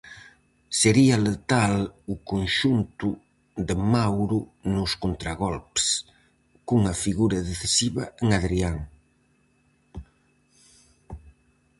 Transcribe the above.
Sería letal o conxunto de Mauro nos contragolpes, cunha figura decisiva en Adrián.